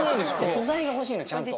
素材が欲しいのよちゃんと。